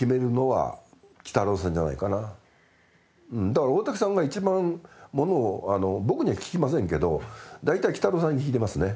だから大竹さんが一番ものを僕には聞きませんけど大体きたろうさんに聞いてますね